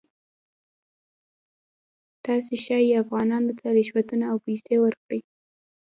تاسې ښایي افغانانو ته رشوتونه او پیسې ورکړئ.